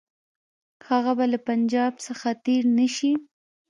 هغه به له پنجاب څخه تېر نه شي.